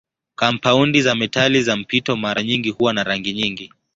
Kampaundi za metali za mpito mara nyingi huwa na rangi nyingi.